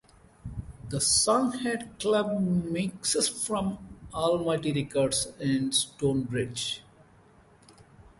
The song had club mixes from Almighty Records and Stonebridge.